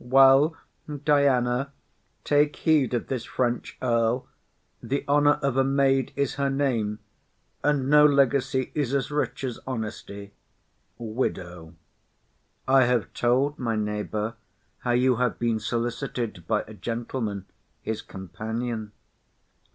Well, Diana, take heed of this French earl; the honour of a maid is her name; and no legacy is so rich as honesty. WIDOW. I have told my neighbour how you have been solicited by a gentleman his companion.